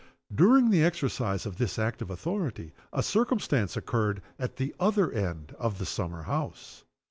During the exercise of this act of authority a circumstance occurred at the other end of the summer house.